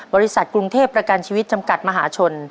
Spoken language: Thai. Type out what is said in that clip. บริษัทกรุงเทพประกันชีวิตจำกัดมหาชน